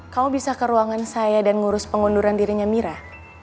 kau bisa ke ruangan saya dan ngurus pengunduran dirinya mirah